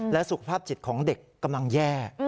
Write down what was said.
และสุขภาพจิตของเด็กกำลังแย่